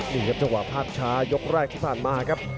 นี่ครับจังหวัดพลาดช้ายกร้ายขึ้นผ่านมาครับ